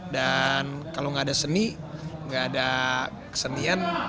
dan kalau nggak ada seni nggak ada kesenian